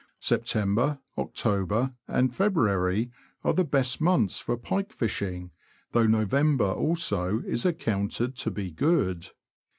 September, October, and February, are the best months for pike fishing, though November also is accounted to be good.